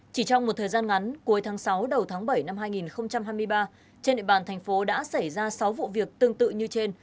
chỉ trong một thời gian ngắn cuối tháng sáu đầu tháng bảy năm hai nghìn hai mươi ba trên địa bàn thành phố đã xảy ra sáu vụ việc tương tự như trên